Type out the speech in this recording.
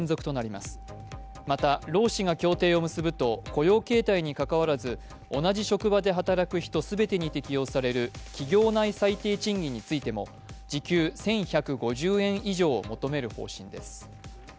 また、労使が協定を結ぶと雇用形態にかかわらず同じ職場で働く人全てに適用される企業内最低賃金についても時給１１５０円以上を求める方針です。